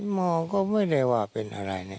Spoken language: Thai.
หมอก็ไม่ได้ว่าเป็นอะไรเนี่ย